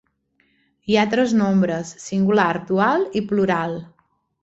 Hi ha tres nombres, singular, dual i plural.